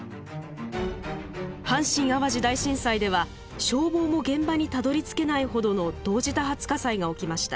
阪神・淡路大震災では消防も現場にたどりつけないほどの同時多発火災が起きました。